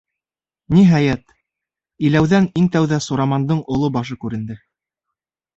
Ниһайәт, иләүҙән иң тәүҙә Сурамандың оло башы күренде.